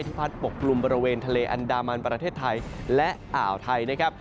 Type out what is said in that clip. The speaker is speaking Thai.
พัดปกกลุ่มบริเวณทะเลอันดามันประเทศไทยและอ่าวไทยนะครับ